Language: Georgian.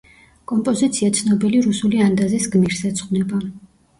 კომპოზიცია ცნობილი რუსული ანდაზის გმირს ეძღვნება.